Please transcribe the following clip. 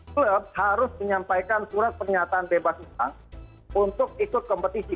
klub harus menyampaikan surat pernyataan bebas utang untuk ikut kompetisi